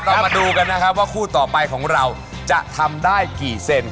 เรามาดูกันนะครับว่าคู่ต่อไปของเราจะทำได้กี่เซน